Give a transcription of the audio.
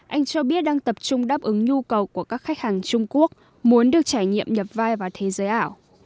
anh cho biết đang tập trung đáp ứng nhu cầu của các khách hàng trung quốc muốn được trải nghiệm nhập vai vào thế giới ảo